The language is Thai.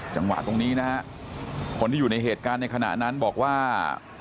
จังหวะตรงนี้นะฮะคนที่อยู่ในเหตุการณ์ในขณะนั้นบอกว่า